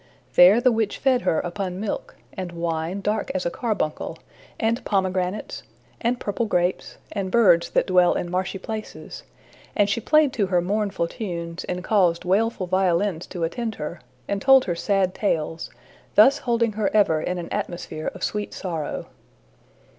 There the witch fed her upon milk, and wine dark as a carbuncle, and pomegranates, and purple grapes, and birds that dwell in marshy places; and she played to her mournful tunes, and caused wailful violins to attend her, and told her sad tales, thus holding her ever in an atmosphere of sweet sorrow.